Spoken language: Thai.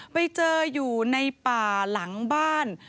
ไปเจออยู่ในป่าหลังบ้าน